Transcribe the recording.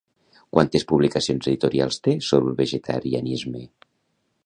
Quantes publicacions editorials té sobre el vegetarianisme?